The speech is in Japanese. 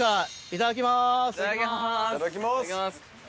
いただきます！